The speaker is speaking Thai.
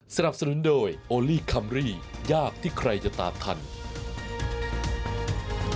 สนับสนุนโดยโอลี่คัมรี่ยากที่ใครจะตามทัน